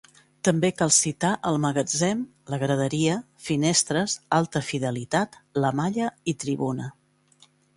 També cal citar El magatzem, La Graderia, Finestres, Alta Fidelitat, La malla i Tribuna.